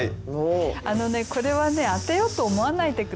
あのねこれはね当てようと思わないで下さい。